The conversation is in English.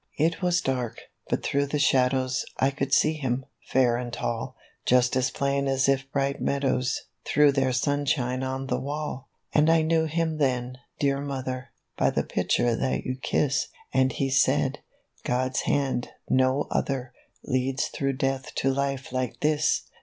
A RUN ON THE BEACH. 29 "It was dark, but through the shadows I could see him, fair and tall, Just as plain as if bright meadows Threw their sunshine on the wall. "And I knew him then, dear Mother, By the picture that you kiss, As he said, 4 God's hand, no other, Leads through Death to Life like this